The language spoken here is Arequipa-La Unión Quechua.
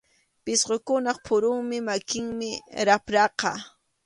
Pisqukunap phuruyuq makinmi rapraqa.